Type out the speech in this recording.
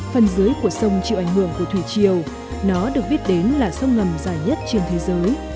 phần dưới của sông chịu ảnh hưởng của thủy chiều nó được biết đến là sông ngầm dài nhất trên thế giới